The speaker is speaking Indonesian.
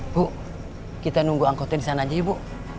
bu kita nunggu angkotnya di sana aja ibu